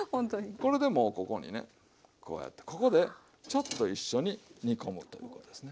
これでもうここにねこうやってここでちょっと一緒に煮込むということですね。